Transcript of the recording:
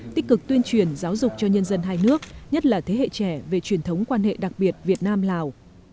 tích cực tuyên truyền giáo dục cho nhân dân hai nước nhất là thế hệ trẻ về truyền thống quan hệ đặc biệt việt nam lào